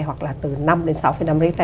hoặc là từ năm đến sáu năm richter